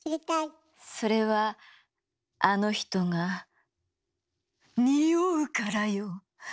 それはあの人が「臭う」からよ。